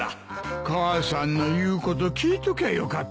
母さんの言うこと聞いときゃよかった。